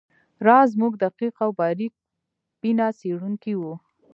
راز زموږ دقیق او باریک بینه څیړونکی وو